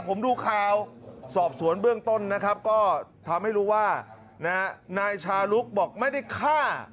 ผมดูข่าวสอบสวนเบื้องต้นนะครับก็ทำให้รู้ว่านายชาลุกบอกไม่ได้ฆ่า